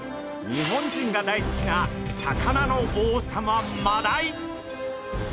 日本人が大好きな魚の王様マダイ。